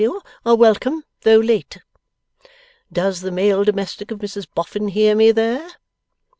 W., are welcome, though late. Does the male domestic of Mrs Boffin hear me there?